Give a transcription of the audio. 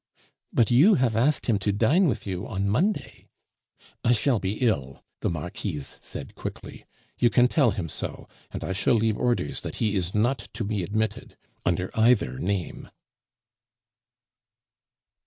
"But you have asked him to dine with you on Monday." "I shall be ill," the Marquise said quickly; "you can tell him so, and I shall leave orders that he is not to be admitted under either name."